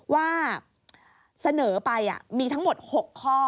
ว่าเสนอไปมีทั้งหมด๖ข้อ